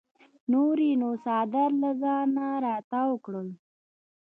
نور یې نو څادر له ځانه راتاو کړ.